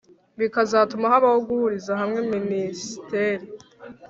bikazatuma habaho guhurizahamwe minisiteri